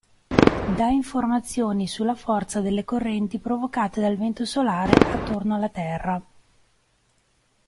Da informazioni sulla forza delle correnti provocate dal vento solare attorno alla Terra.